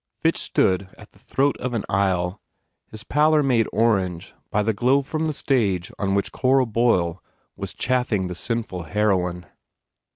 Fitch stood at the throat of an aisle, his pallor made orange by the glow from the stage on which Cora Boyle was chaffing the sinful heroine.